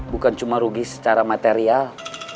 bukan cuma rugi secara material